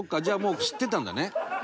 じゃあ、もう、知ってたんだね？